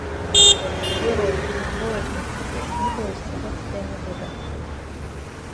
Герой, как боязно тебе, Не бойся, я тебя не выдам.